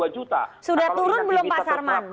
sudah turun belum pak sarman